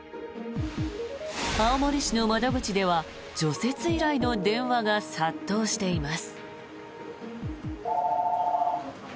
青森市の窓口では除雪依頼の電話が殺到しています。